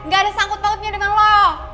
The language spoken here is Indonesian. gak ada sangkut pautnya dengan lo